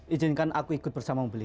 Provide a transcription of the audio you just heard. izinkan aku ikut bersama membeli